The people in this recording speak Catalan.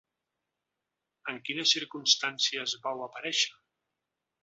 En quines circumstàncies vau aparèixer?